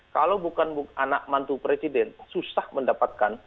kalau bukan anak mantu presiden susah mendapatkan